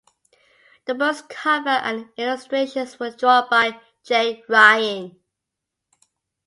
The book's cover and illustrations were drawn by Jay Ryan.